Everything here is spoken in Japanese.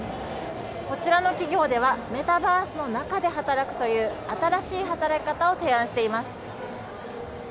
こちらの企業ではメタバースの中で働くという新しい働き方を提案しています。